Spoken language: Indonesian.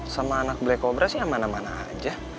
sama anak black cobra sih aman aman aja